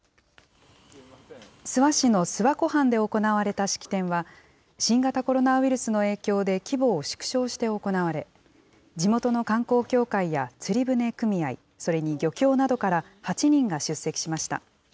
諏訪市の諏訪湖畔で行われた式典は、新型コロナウイルスの影響で規模を縮小して行われ、地元の観光協会や釣舟組合、それに漁協などから８人が出席しました。